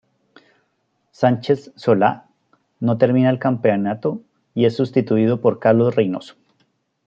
Sánchez Solá no termina el campeonato y es sustituido por Carlos Reinoso.